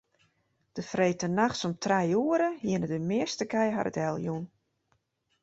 De freedtenachts om trije oere hiene de measte kij har deljûn.